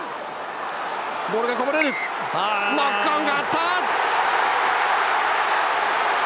ノックオンがあった！